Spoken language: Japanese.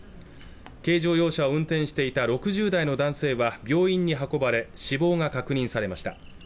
軽乗用車を運転していた６０代の男性は病院に運ばれ死亡が確認されました